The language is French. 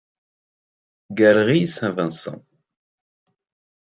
Galerie St Vincent.